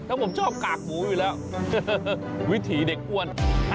ถ้าผมชอบกากหมูอยู่แล้ววิถีเด็กอ้วน